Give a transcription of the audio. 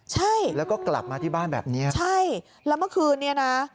ใช่แล้วก็กลับมาที่บ้านแบบเนี้ยใช่แล้วเมื่อคืนนี้นะ